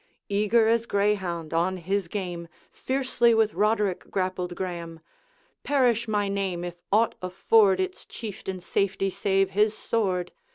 Eager as greyhound on his game, Fiercely with Roderick grappled Graeme. 'Perish my name, if aught afford Its Chieftain safety save his sword!'